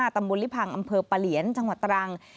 ตำบลลิพังอำเภอปะเหลียนจังหวัดตรัง